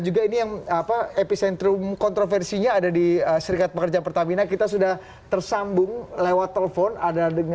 juga ini yang apa epicentrum kontroversinya ada di serikat pekerja pertamina kita sudah tersambung lewat telepon